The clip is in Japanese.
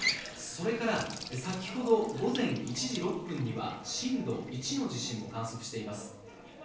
それから、先ほど午前１時６分には震度１の地震も観測しています。